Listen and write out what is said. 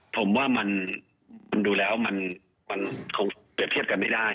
ผมว่ามันดูแล้วมันคงเปรียบเทียบกันไม่ได้